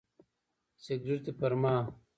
سګرټ دې پر ما.